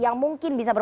yang mungkin bisa dikira